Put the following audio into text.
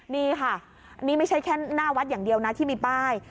นี่ค่ะนี่ไม่ใช่แค่หน้าวัดอย่างเดียวนะที่มีป้าย